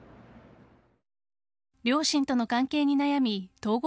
両親との関係に悩み統合